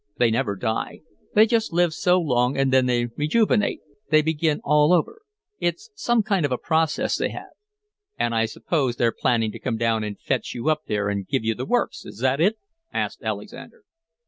They never die. They just live so long, and then they rejuvenate, they begin all over. It's some kind of a process they have." "And I suppose they're planning to come down and fetch you up there and give you the works, is that it?" asked Alexander.